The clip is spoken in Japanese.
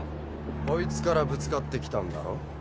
こいつからぶつかってきたんだろ？